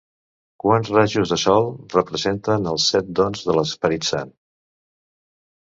Quants rajos de sol representen els set dons de l'Esperit Sant?